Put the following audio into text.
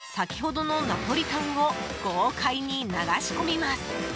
そこへ、先ほどのナポリタンを豪快に流し込みます。